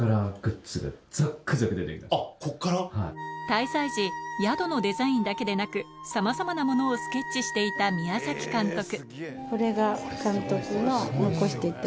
滞在時宿のデザインだけでなくさまざまなものをスケッチしていた宮崎監督